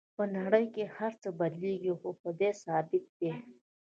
په نړۍ کې هر څه بدلیږي خو خدای ثابت دی